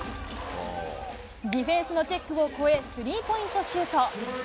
ディフェンスのチェックを超え、スリーポイントシュート。